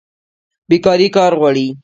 بیکاري کار غواړي